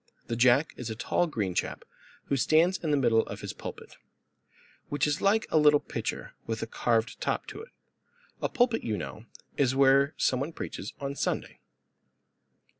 The Jack is a tall green chap, who stands in the middle of his pulpit, which is like a little pitcher, with a curved top to it. A pulpit, you know, is where some one preaches on Sunday.